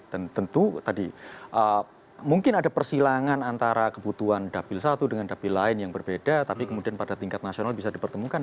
dan tentu tadi mungkin ada persilangan antara kebutuhan dapil satu dengan dapil lain yang berbeda tapi kemudian pada tingkat nasional bisa dipertemukan